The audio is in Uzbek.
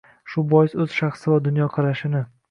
shu bois o‘z shaxsi va dunyoqarashini